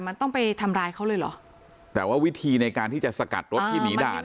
มันต้องไปทำร้ายเขาเลยเหรอแต่ว่าวิธีในการที่จะสกัดรถที่หนีด่าน